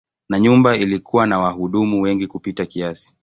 Na nyumba ilikuwa na wahudumu wengi kupita kiasi.